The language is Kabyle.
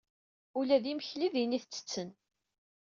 Ula d imekli din i t-tetten.